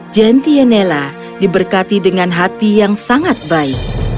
gentienela diberkati dengan hati yang sangat baik